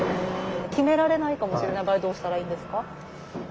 決められないかもしれない場合はどうしたらいいんですか？